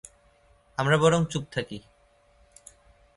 আমরা বরং চুপ থাকি।